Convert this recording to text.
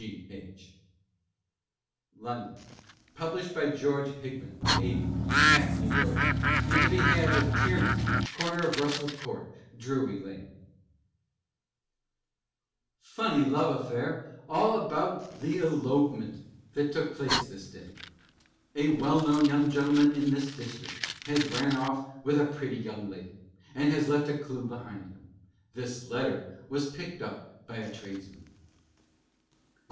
G. H. LONDON: Published by GEORGE HIGHAM, 80, Hackney Road; and to be had of TIERNEY, Corner of Russell Court, Drury Lane, FUNNY LOVE AFFAIR, ALL ABOUT THE ELOPEMENT THAT TOOK PLACE THIS DAY. A well known young gentleman in this district has ran off with a pretty young lady, and has left a clue behind him. This Letter was picked up by a Tradesman.